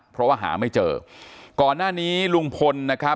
เพราะว่าหาไม่เจอก่อนหน้านี้ลุงพลนะครับ